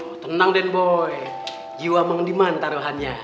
oh tenang den boy jiwa mengediman taruhannya